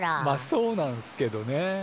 まあそうなんすけどね。